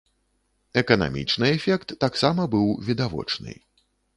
Эканамічны эфект таксама быў відавочны.